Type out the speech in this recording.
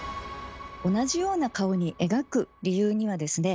同じような顔に描く理由にはですね